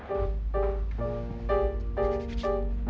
ada apa sih